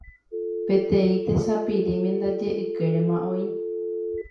peteĩ tesapirĩme ñande ykérema oĩ